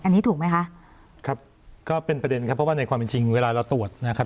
อันนี้ถูกไหมคะครับก็เป็นประเด็นครับเพราะว่าในความเป็นจริงเวลาเราตรวจนะครับ